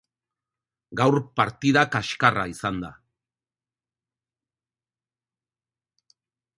Gaur partida kaxkarra izan da.